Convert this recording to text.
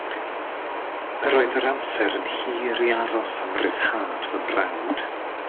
Yr oedd yr amser yn hir i aros am ryddhad fy mrawd.